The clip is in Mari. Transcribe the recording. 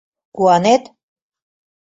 — Куанет?